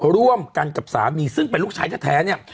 ร่วมกันกับสามีซึ่งเป็นลูกชายแท้เนี่ย